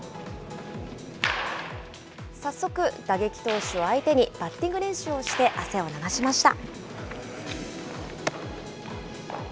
早速、打撃投手を相手に、バッティング練習をして汗を流しました。